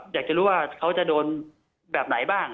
อยากจะรู้ว่าเขาจะโดนแบบไหนบ้าง